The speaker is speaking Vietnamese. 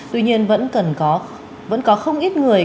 tuy nhiên vẫn có không ít người